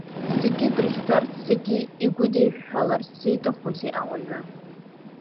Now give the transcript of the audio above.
Зегьы дрыхьӡарц, зегьы игәыдиҳәҳәаларц зиҭахузеи ауаҩы?